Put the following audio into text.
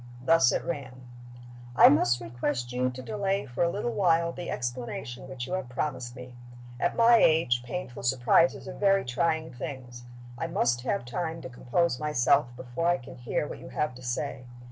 Thus it ran: "I must request you to delay for a little while the explanation which you have promised me. At my age, painful surprises are very trying things. I must have time to compose myself, before I can hear what you have to say.